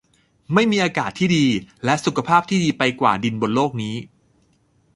ไม่มีอากาศที่ดีและสุขภาพที่ดีไปกว่าดินบนโลกนี้